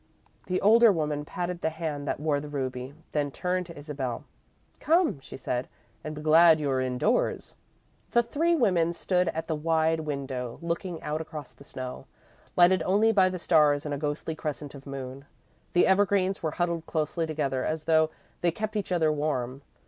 The older woman patted the hand that wore the ruby, then turned to Isabel. "Come," she said, "and be glad you're indoors." The three women stood at the wide window, looking out across the snow, lighted only by the stars and a ghostly crescent of moon. The evergreens were huddled closely together as though they kept each other warm.